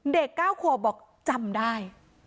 เด็ก๙ขวบบอกจำได้